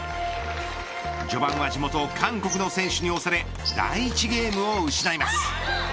序盤は地元韓国の選手に押され第１ゲームを失います。